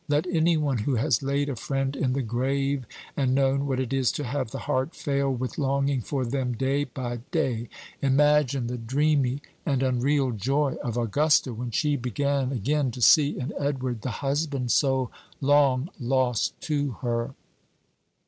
Let any one who has laid a friend in the grave, and known what it is to have the heart fail with longing for them day by day, imagine the dreamy and unreal joy of Augusta when she began again to see in Edward the husband so long lost to her.